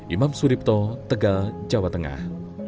imam suripto tegal jawa tengah